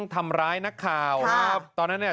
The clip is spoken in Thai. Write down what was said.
ทำร้ายนักข่าวตอนนั้น